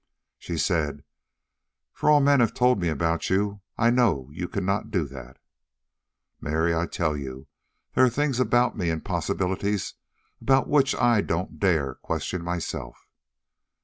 She said: "For all men have told me about you, I know you could not do that." "Mary, I tell you there are things about me, and possibilities, about which I don't dare to question myself."